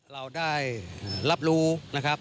เราได้รับรู้นะครับ